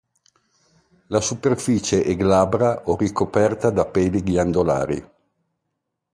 La superficie è glabra o ricoperta da peli ghiandolari.